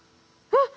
あっ！